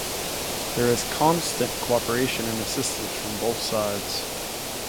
There is constant cooperation and assistance from both sides.